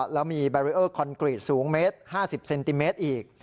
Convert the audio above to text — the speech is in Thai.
แล้วมีแบรีเออร์คอนกรีตสูงเมตร๕๐เซนติเมตรอีก